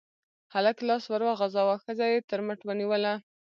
هلک لاس ور وغزاوه، ښځه يې تر مټ ونيوله.